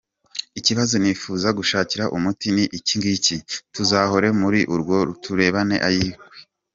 Ikibazo nifuza gushakira umuti ni ikingiki: Tuzahore muri urwo turebana ay’ingwe?